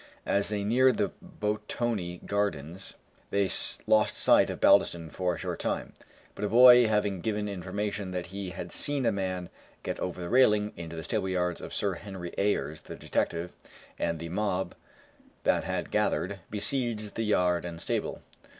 As they neared the Botanic Gardens they lost sight of Baldiston for a short time, but a boy having given information that he had seen a man get over the railing into the stableyards of Sir Henry Ayers, the detective, and the mob that had gathered, besieged the yard and stable.